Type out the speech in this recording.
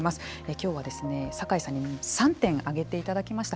今日は酒井さんに３点挙げていただきました。